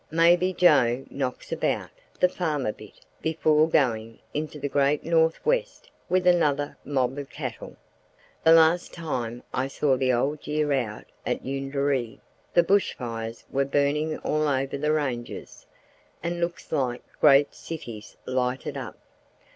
Maybe Joe "knocks about" the farm a bit before going into the Great North West with another mob of cattle. The last time I saw the Old Year out at Eurunderee the bushfires were burning all over the ranges, and looked like great cities lighted up.